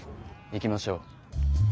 行きましょう。